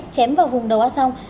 chém vào vùng đầu a song